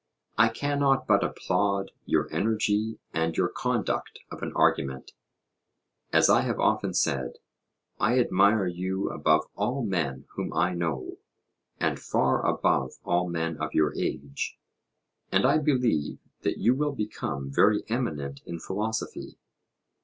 I cannot but applaud your energy and your conduct of an argument. As I have often said, I admire you above all men whom I know, and far above all men of your age; and I believe that you will become very eminent in philosophy.